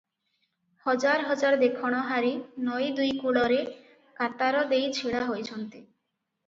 ହଜାର ହଜାର ଦେଖଣହାରୀ ନଈ ଦୁଇ କୂଳରେ କାତାର ଦେଇ ଛିଡ଼ା ହୋଇଛନ୍ତି ।